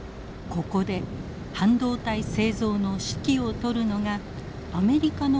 ここで半導体製造の指揮を執るのがアメリカのビジネスマンです。